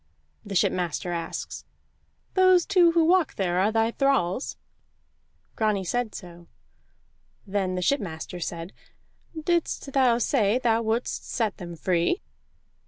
The shipmaster asks: "Those two who walk there are thy thralls?" Grani said so. Then the shipmaster said: "Didst thou say thou wouldst set them free?"